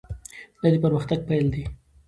دا د پرمختګ پیل دی.